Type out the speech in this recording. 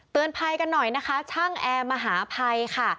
ภัยกันหน่อยนะคะช่างแอร์มหาภัยค่ะ